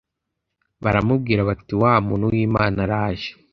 baramubwira bati wa muntu w imana araje